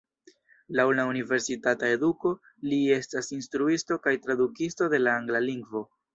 Laŭ la universitata eduko li estas instruisto kaj tradukisto de la angla lingvo.